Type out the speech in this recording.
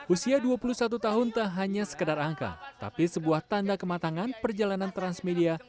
usia dua puluh satu tahun tak hanya sekedar angka tapi sebuah tanda kematangan perjalanan transmedia